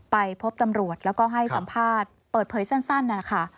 ไปพบตำรวจแล้วก็ให้สัมภาษณ์เปิดเผยสั้นนะคะ